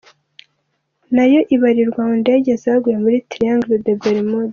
Nayo ibarirwa mu ndege zaguye muri Triangle des Bermude.